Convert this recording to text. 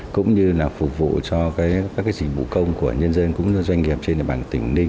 cũng như phục vụ cho các dịch vụ công của nhân dân doanh nghiệp trên địa bàn tỉnh ninh